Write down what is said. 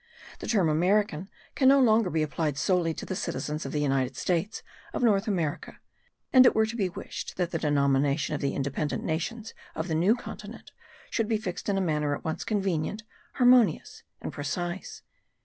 The term American can no longer be applied solely to the citizens of the United States of North America; and it were to be wished that the nomenclature of the independent nations of the New Continent should be fixed in a manner at once convenient, harmonious, and precise.)